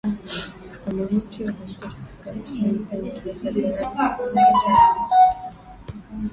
Umauti ulimkuta Afrika Kusini Mapema mwezi februari mwaka taarifa zilitoka kuwa hali ya